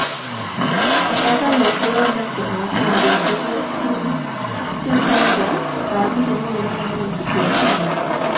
Eyagala okulonda kuno kwongezebweyo okutuuka nga abiri mu lumu omwezi gwe gumu.